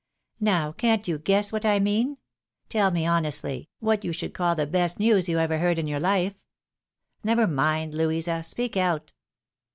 " Now, can't you guess what I mean? Tell me, honestly, what you should call the best news you ever heard in your hfe ? Never mind Louisa. Speak out."